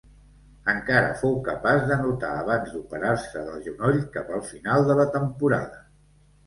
Encara fou capaç d'anotar abans d'operar-se del genoll cap al final de la temporada.